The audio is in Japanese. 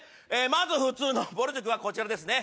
まず普通のぼる塾はこちらですね。